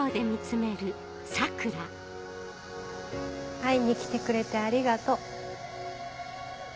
会いに来てくれてありがとう。